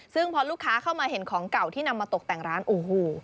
ซึ่งพอลูกค้าเข้ามาเห็นของเก่าที่นำมาตกแต่งร้านโอ้โห